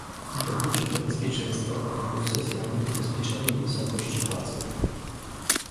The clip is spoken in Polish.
Dotyczy to bezpieczeństwa, warunków socjalnych, ubezpieczenia i wysokości płacy